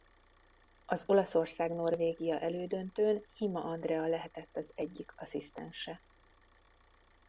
Az Olaszország –Norvégia elődöntőn Hima Andrea lehetett az egyik asszisztense.